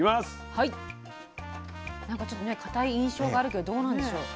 なんかちょっとねかたい印象があるけどどうなんでしょう？